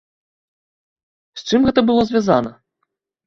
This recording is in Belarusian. З чым гэта было звязана?